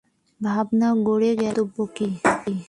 ভাবনা পড়ে গেল, কর্তব্য কী।